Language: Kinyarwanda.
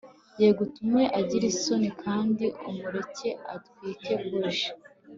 Yego utume agira isoni kandi umureke atwike buji